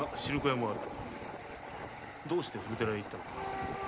どうして古寺へ行ったのかな？